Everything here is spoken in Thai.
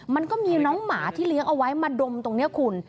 มันก็มีน้องหมาที่เลี้ยงเอาไว้มาดมตรงนี้คุณ